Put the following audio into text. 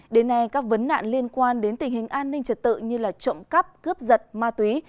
đến nay các vấn nạn liên quan đến tình hình an ninh trật tự như trộm cắp cướp giật ma túy